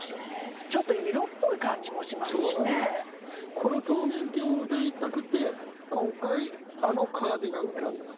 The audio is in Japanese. この「桃源郷」をうたいたくて今回あのカーディガン選んでます。